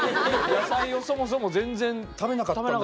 野菜をそもそも全然食べなかったのに？